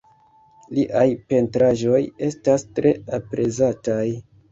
Liaj pentraĵoj estas tre aprezataj.